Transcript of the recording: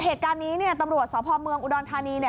เหตุการณ์นี้ตำรวจสมภาพเมืองอุดอนทานี